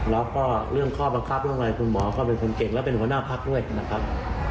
แล้วก็เรื่องข้อบังคับเรื่องอะไรคุณหมอก็เป็นคนเก่งและเป็นหัวหน้าพักด้วยนะครับ